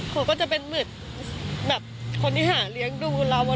เขาก็จะเป็นหมึดแบบคนที่หาเลี้ยงดูเราอ่ะเนอะ